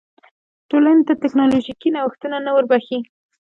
ټولنې ته ټکنالوژیکي نوښتونه نه وربښي.